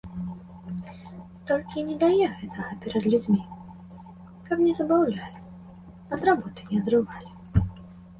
Толькі не дае гэтага перад людзьмі, каб не забаўлялі, ад работы не адрывалі.